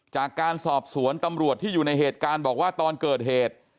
จากการสอบสวนตำรวจที่อยู่ในเหตุการณ์บอกว่าตอนเกิดเหตุ